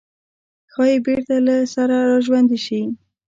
ښايي بېرته له سره راژوندي شي.